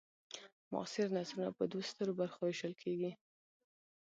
معاصر نثرونه په دوو سترو برخو وېشل کیږي.